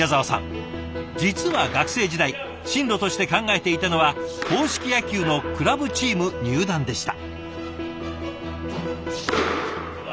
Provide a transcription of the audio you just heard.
実は学生時代進路として考えていたのは硬式野球のクラブチーム入団でした。